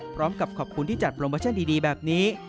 พร้อมกับขอบคุณที่จัดโปรโมชั่นดีแบบนี้